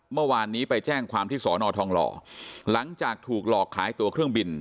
เมื่อวานนี้ไปแจ้งความที่สอนอทองหล่อหลังจากถูกหลอกขายตัวเครื่องบิน